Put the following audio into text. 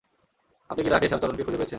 আপনি কি রাকেশ আর চরণকে খুঁজে পেয়েছেন?